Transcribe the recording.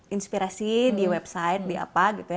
inspirasi di website di apa gitu ya